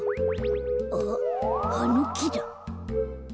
あっあのきだ。